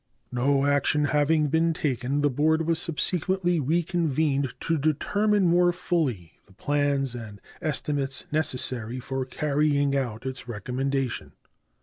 No action having been taken, the board was subsequently reconvened to determine more fully the plans and estimates necessary for carrying out its recommendation.